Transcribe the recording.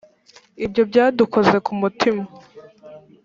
ibyo byadukoze ku mutima